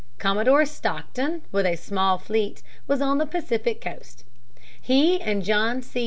Commodore Stockton with a small fleet was on the Pacific coast. He and John C.